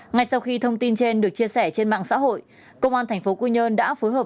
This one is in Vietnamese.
ngay sau khi thông tin trên được chia sẻ trên mạng xã hội công an tp quy nhơn đã phối hợp